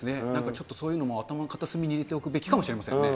ちょっとそういうのも、頭の片隅に入れておくべきかもしれませんね。